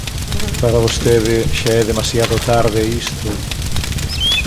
Para vostede xa é demasiado tarde isto.